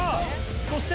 そして。